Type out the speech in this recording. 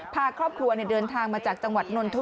พาครอบครัวเนี่ยเดินทางมาจากจังหวัด